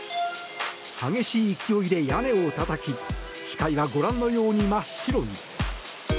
激しい勢いで屋根をたたき視界は、ご覧のように真っ白に。